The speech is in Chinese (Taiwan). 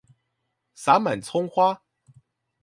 灑滿蔥花